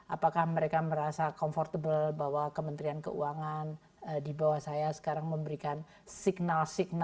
apakah mereka merasa comfortable bahwa kementerian keuangan di bawah saya sekarang memberikan signal signal